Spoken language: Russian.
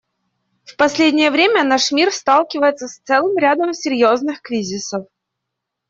В последнее время наш мир сталкивается с целым рядом серьезных кризисов.